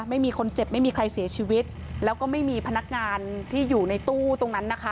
ไม่มีคนเจ็บไม่มีใครเสียชีวิตแล้วก็ไม่มีพนักงานที่อยู่ในตู้ตรงนั้นนะคะ